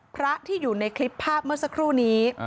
พระที่อยู่ในคลิปภาพเมื่อสักครู่นี้